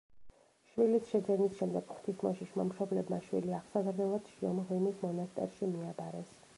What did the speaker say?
შვილის შეძენის შემდეგ ღვთისმოშიშმა მშობლებმა შვილი აღსაზრდელად შიო მღვიმის მონასტერში მიაბარეს.